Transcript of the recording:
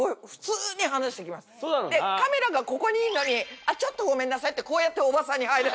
カメラがここにいるのに「ちょっとごめんなさい」っておばさんに入られるとか。